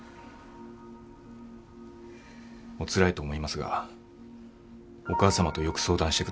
おつらいと思いますがお母さまとよく相談してください。